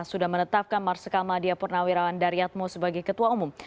sudah menetapkan marsikal madya purnawirawan daryatmo sebagai ketua umum